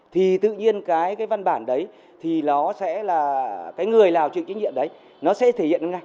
thì tự nhiên cái văn bản đấy thì nó sẽ là cái người nào chịu trách nhiệm đấy nó sẽ thể hiện ngay